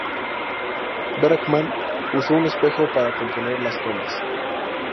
Bergman usó un espejo para componer las tomas.